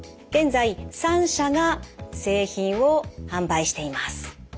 現在３社が製品を販売しています。